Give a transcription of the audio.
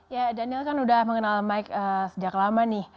ya daniel kan udah mengenal mike sejak lama nih